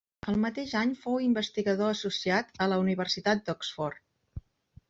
El mateix any fou investigador associat a la Universitat d'Oxford.